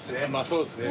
そうですね。